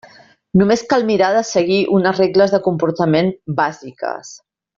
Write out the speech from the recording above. Només cal mirar de seguir unes regles de comportament bàsiques.